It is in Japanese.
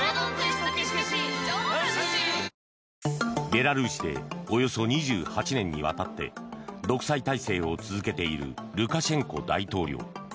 ベラルーシでおよそ２８年にわたって独裁体制を続けているルカシェンコ大統領。